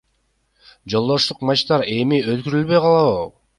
Жолдоштук матчтар эми өткөрүлбөй калабы?